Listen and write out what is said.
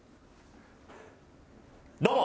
どうも！